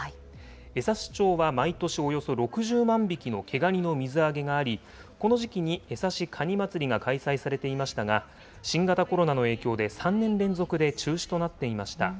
枝幸町は毎年およそ６０万匹の毛がにの水揚げがあり、この時期に枝幸かにまつりが開催されていましたが、新型コロナの影響で３年連続で中止となっていました。